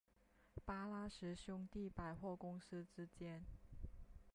巴拉什兄弟百货公司之间。